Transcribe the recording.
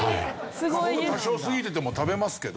僕多少過ぎてても食べますけど。